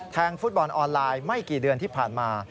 ฟุตบอลออนไลน์ไม่กี่เดือนที่ผ่านมา